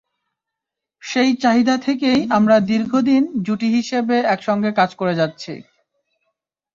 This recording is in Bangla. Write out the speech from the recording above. সেই চাহিদা থেকেই আমরা দীর্ঘদিন জুটি হিসেবে একসঙ্গে কাজ করে যাচ্ছি।